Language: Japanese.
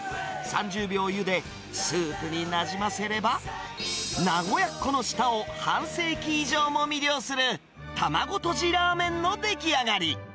３０秒ゆで、スープになじませれば、名古屋っ子の舌を半世紀以上も魅了する玉子とじラーメンの出来上がり。